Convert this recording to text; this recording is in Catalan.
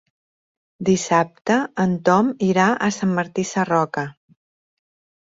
Dissabte en Tom irà a Sant Martí Sarroca.